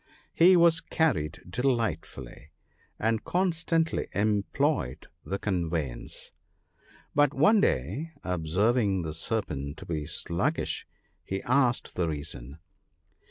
He was carried delightfully, PEACE. 1 39 and constantly employed the conveyance. But one day observing the Serpent to be sluggish, he asked the reason.